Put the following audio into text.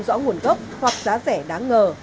rõ nguồn gốc hoặc giá rẻ đáng ngờ